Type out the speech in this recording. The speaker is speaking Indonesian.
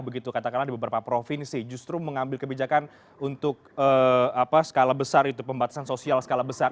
begitu katakanlah di beberapa provinsi justru mengambil kebijakan untuk skala besar itu pembatasan sosial skala besar